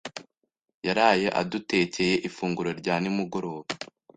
Yaraye adutekeye ifunguro rya nimugoroba.